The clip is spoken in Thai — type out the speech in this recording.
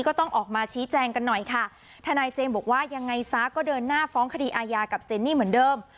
ก็ต้องออกมาชี้แจงกันหน่อยค่ะทนายเจมส์บอกว่ายังไงซะก็เดินหน้าฟ้องคดีอาญากับเจนนี่เหมือนเดิม